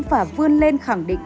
và vươn lên khẳng định